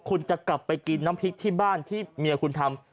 คุณจะกลับไปกินน้ำพริกที่บ้านที่เมียคุณทำ